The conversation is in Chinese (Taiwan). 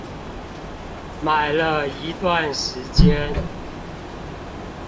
買了一段時間